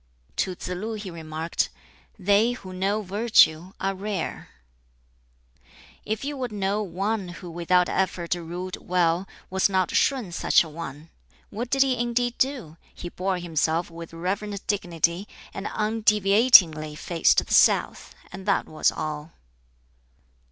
To Tsz lu he remarked, "They who know Virtue are rare." "If you would know one who without effort ruled well, was not Shun such a one? What did he indeed do? He bore himself with reverent dignity and undeviatingly 'faced the south,' and that was all."